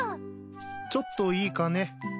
ちょっといいかね。